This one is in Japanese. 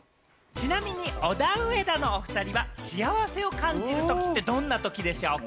ちなみに、オダウエダのお２人は、幸せを感じるときって、どんなときでしょうか？